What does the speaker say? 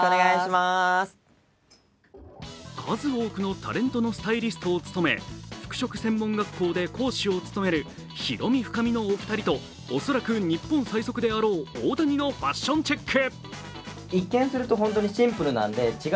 数多くのタレントのスタイリストを務め、服飾専門学校で講師を務める広海・深海のお二人と恐らく日本最速であろう大谷のファッションチェック。